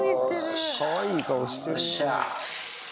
よっしゃ。